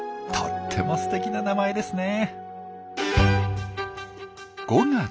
とってもすてきな名前ですね。